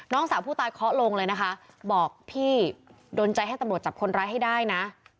สาวผู้ตายเคาะลงเลยนะคะบอกพี่โดนใจให้ตำรวจจับคนร้ายให้ได้นะ